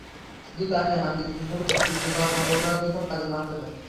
শুধু তাই নয়, আন্তর্জাতিকভাবে স্বীকৃতি পাওয়ার সম্ভাবনা আছে এসব কাজের মাধ্যমে।